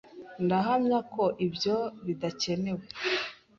Ndahamya ko ibyo bidakenewe.